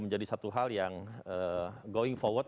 menjadi satu hal yang going forward